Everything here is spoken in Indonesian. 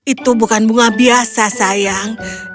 itu bukan bunga biasa sayang